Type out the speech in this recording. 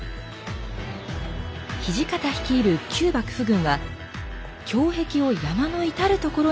土方率いる旧幕府軍は胸壁を山の至る所に築きました。